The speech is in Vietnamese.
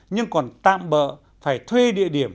nhưng còn tạm bỡ phải thuê địa điểm